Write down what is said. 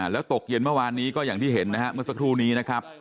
แล้วตกเย็นเมื่อวานนี้ก็อย่างที่เห็นนะครับเมื่อสักครู่นี้นะครับ